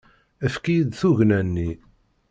Efk-iyi-d tugna-nni.